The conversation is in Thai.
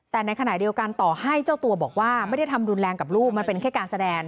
แต่ในขณะเดียวกันต่อให้เจ้าตัวบอกว่าไม่ได้ทำรุนแรงกับลูกมันเป็นแค่การแสดง